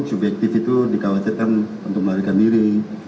subjektif itu dikhawatirkan untuk melarikan diri